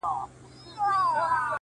o دا وايي دا توره بلا وړي څوك.